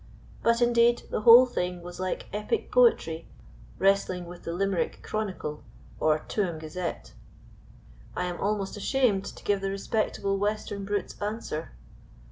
But indeed the whole thing was like epic poetry wrestling with the Limerick Chronicle or Tuam Gazette. I am almost ashamed to give the respectable western brute's answer.